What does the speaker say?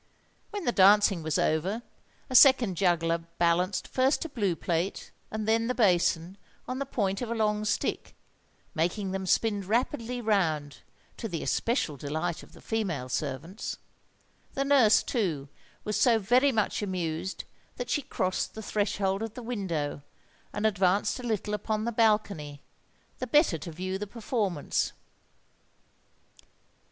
When the dancing was over, a second juggler balanced first a blue plate, and then the basin, on the point of a long stick—making them spin rapidly round, to the especial delight of the female servants. The nurse, too, was so very much amused that she crossed the threshold of the window, and advanced a little upon the balcony, the better to view the performance.